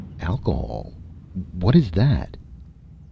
"Alcohol? What is that?"